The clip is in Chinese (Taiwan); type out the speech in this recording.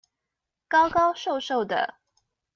高高瘦瘦的